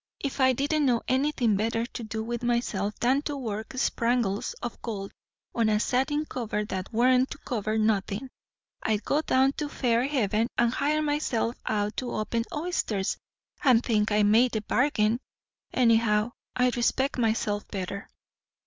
If I didn't know anything better to do with myself than to work sprangles o' gold on a satin cover that warn't to cover nothin', I'd go down to Fairhaven and hire myself out to open oysters! and think I made by the bargain. Anyhow, I'd respect myself better."